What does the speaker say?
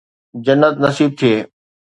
جنت نصيب ٿئي.